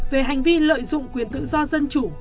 về hành vi lợi dụng quyền tự do dân chủ